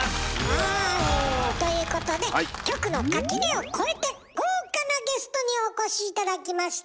ワオ。ということで局の垣根を越えて豪華なゲストにお越し頂きました。